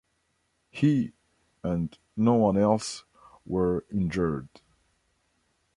He, and no-one else, were injured.